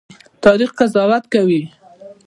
تاریخ قضاوت کوي